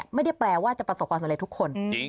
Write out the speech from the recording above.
ไม่ได้แปลว่าจะประสบความสำเร็จทุกคน